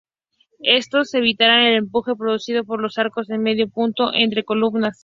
Estos evitan el empuje producido por los arcos de medio punto entre columnas.